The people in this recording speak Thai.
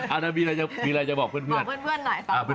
อ่ะมีอะไรจะบอกเพื่อน